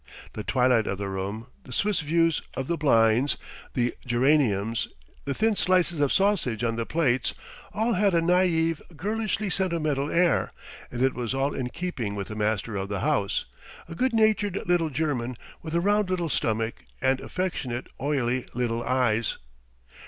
... The twilight of the room, the Swiss views on the blinds, the geraniums, the thin slices of sausage on the plates, all had a naïve, girlishly sentimental air, and it was all in keeping with the master of the house, a good natured little German with a round little stomach and affectionate, oily little eyes.